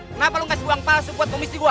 kenapa lo kasih uang palsu buat komisi gue